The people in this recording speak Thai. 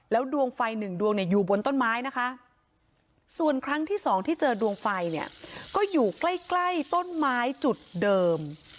ดวงไฟหนึ่งดวงเนี่ยอยู่บนต้นไม้นะคะส่วนครั้งที่สองที่เจอดวงไฟเนี่ยก็อยู่ใกล้ใกล้ต้นไม้จุดเดิม